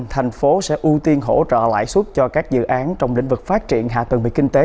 thành phố sẽ ưu tiên hỗ trợ lãi suất cho các dự án trong lĩnh vực phát triển hạ tầng về kinh tế